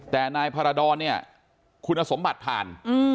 แต่นายพารดรเนี่ยคุณสมบัติผ่าน